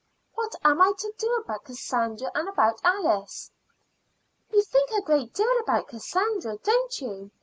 What am I to do about Cassandra and about Alice?" "You think a great deal about Cassandra, don't you?"